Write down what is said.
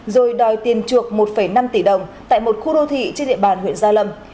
rồi đòi tiền chuộc một năm tỷ đồng tại một khu đô thị trên địa bàn huyện gia lâm